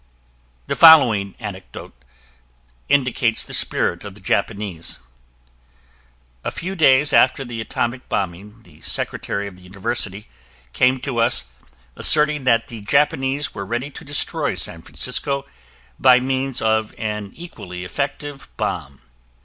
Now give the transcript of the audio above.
The following anecdote indicates the spirit of the Japanese: A few days after the atomic bombing, the secretary of the University came to us asserting that the Japanese were ready to destroy San Francisco by means of an equally effective bomb.